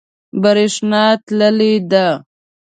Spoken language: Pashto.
بریښنا تللی ده